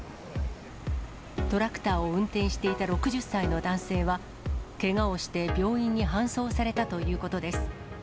トラクターを運転していた６０歳の男性は、けがをして病院に搬送されたということです。